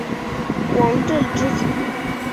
王震之子。